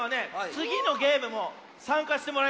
つぎのゲームもさんかしてもらいますよ。